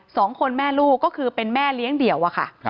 สองคนแม่ลูกก็คือเป็นแม่เลี้ยงเดี่ยวอะค่ะ